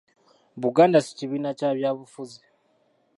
Buganda si kibiina kya byabufuzi